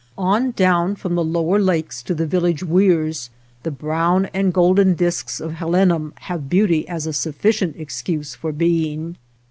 On, down from the lower lakes to the village weirs, the brown and golden disks of helenum have beauty as a sufficient excuse for being.